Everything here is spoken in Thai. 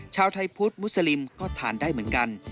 ชาวไทยพุทธมุสลิมก็ทานได้เหมือนกัน